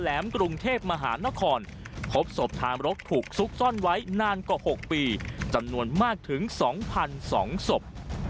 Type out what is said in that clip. มันอนาคตานของที่ไม่มีทางคนพบศพถามรบถุกศล่อนไว้นานกว่า๖ปีจำนวนมากถึง๒๐๐๒ศพ